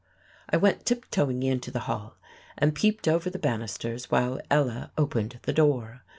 I went tiptoeing into the hall and peeped over the banisters while Ella opened the door.